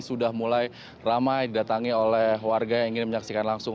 sudah mulai ramai didatangi oleh warga yang ingin menyaksikan langsung